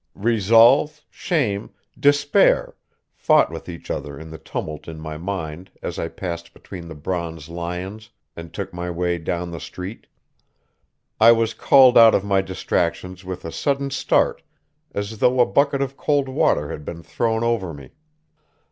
Resolve, shame, despair, fought with each other in the tumult in my mind as I passed between the bronze lions and took my way down the street. I was called out of my distractions with a sudden start as though a bucket of cold water had been thrown over me.